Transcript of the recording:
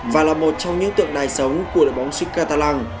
và là một trong những tượng đài sống của đội bóng sức catalan